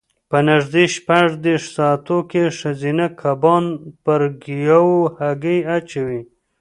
په نږدې شپږ دېرش ساعتو کې ښځینه کبان پر ګیاوو هګۍ اچوي.